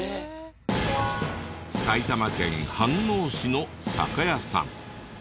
埼玉県飯能市の酒屋さん。